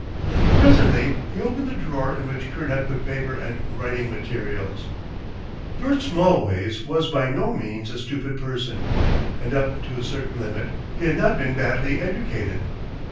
Presently he opened the drawer in which Kurt had put paper and writing materials. Bert Smallways was by no means a stupid person, and up to a certain limit he had not been badly educated.